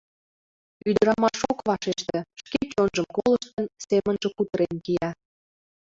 Ӱдырамаш ок вашеште, шке чонжым колыштын, семынже кутырен кия.